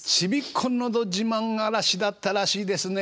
このど自慢荒らしだったらしいですね。